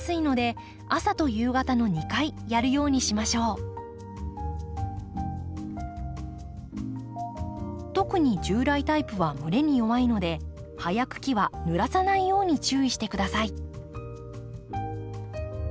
夏場は乾燥しやすいので特に従来タイプは蒸れに弱いので葉や茎はぬらさないように注意して下さい。